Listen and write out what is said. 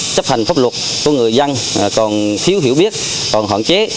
chấp hành pháp luật của người dân còn thiếu hiểu biết còn hạn chế